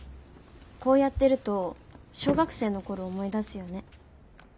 こうやってると小学生の頃思い出すよね。